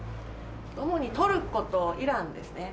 主にトルコとイランですね。